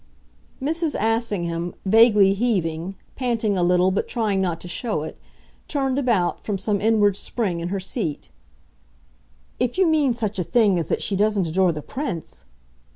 Mrs. Assingham, vaguely heaving, panting a little but trying not to show it, turned about, from some inward spring, in her seat. "If you mean such a thing as that she doesn't adore the Prince